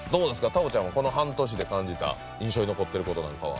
太鳳ちゃんはこの半年で感じた印象に残ってることなんかは？